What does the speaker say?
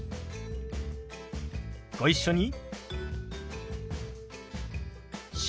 ご一緒に。